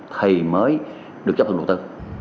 thì mới được chấp thuận đầu tư